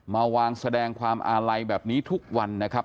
มาวางแสดงความอาลัยแบบนี้ทุกวันนะครับ